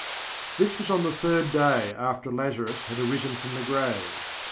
This was on the third day after Lazarus had arisen from the grave.